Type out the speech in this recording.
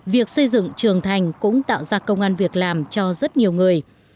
việc xây dựng trường thành cũng tạo ra công an việc làm cho rất nhiều người